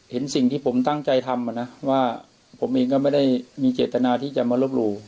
เห็นสิ่งที่ผมตั้งใจทำนะว่าผมเองก็ไม่ได้มีเจตนาที่จะมารบหลู่